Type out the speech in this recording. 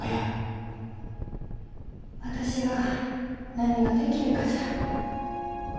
私が何ができるかじゃ。